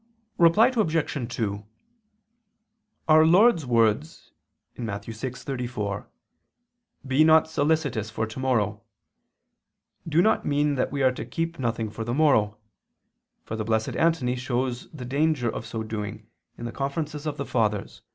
Reply Obj. 2: Our Lord's words (Matt. 6:34), "Be not solicitous for tomorrow," do not mean that we are to keep nothing for the morrow; for the Blessed Antony shows the danger of so doing, in the Conferences of the Fathers (Coll.